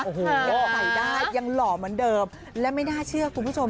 โอ้โหยังใส่ได้ยังหล่อเหมือนเดิมและไม่น่าเชื่อคุณผู้ชม